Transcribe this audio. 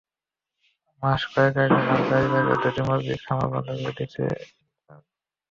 মাস দুয়েক আগেও হাজারীবাগের দুটি মুরগির খামার বন্ধ করে দিয়েছে র্যাব।